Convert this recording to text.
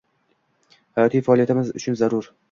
Hayotiy faoliyatimiz uchun zarur.